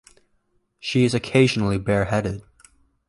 She is occasionally bareheaded.